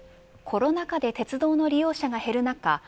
コロナ禍で鉄道の利用者が減る中